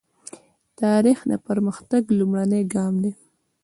تاریخ د پرمختګ لومړنی ګام دی.